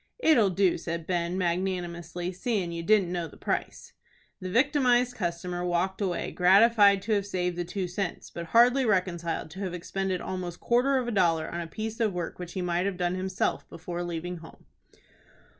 "It'll do," said Ben, magnanimously, "seein' you didn't know the price." The victimized customer walked away, gratified to have saved the two cents, but hardly reconciled to have expended almost quarter of a dollar on a piece of work which he might have done himself before leaving home.